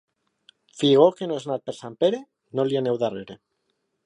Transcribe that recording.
Figó que no és nat per Sant Pere no li aneu darrere.